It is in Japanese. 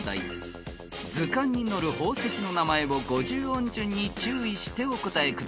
［図鑑に載る宝石の名前を５０音順に注意してお答えください］